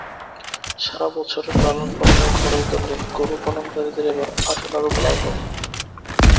সারা বছরের লালনপালনের খরচ ধরলে গরু পালনকারীদের এবার আশানুরূপ লাভ হবে না।